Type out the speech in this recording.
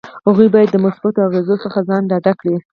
هغوی باید د مثبتو اغیزو څخه ځان ډاډه کړي.